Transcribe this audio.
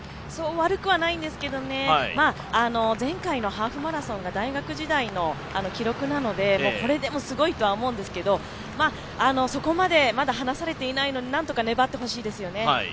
そう悪くはないんですけど、前回のハーフマラソンが大学時代の記録なのでこれでも、すごいとは思うんですけどそこまで離されていないので何とか粘ってほしいですよね。